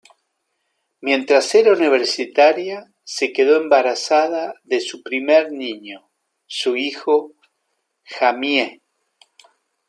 Mientras era universitaria se quedó embarazada de su primer niño, su hijo Jamie.